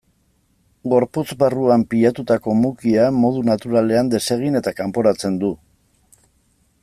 Gorputz barruan pilatutako mukia modu naturalean desegin eta kanporatzen du.